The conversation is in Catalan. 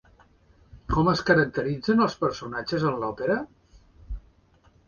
Com es caracteritzen els personatges en l'òpera?